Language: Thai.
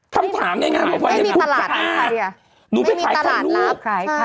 คำถามในงานของพวกเราคุณคะนุ้นไปขายคายลูก